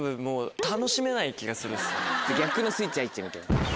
逆のスイッチ入っちゃうみたいな。